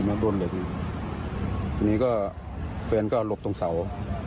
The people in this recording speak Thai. อันนี้ก็เฟรนก็หลบตรงสาว